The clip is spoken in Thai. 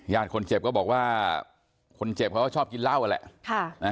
ญาติคนเจ็บก็บอกว่าคนเจ็บเขาชอบกินเหล้าแหละ